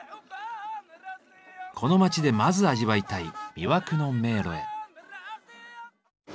この町でまず味わいたい「魅惑の迷路」へ。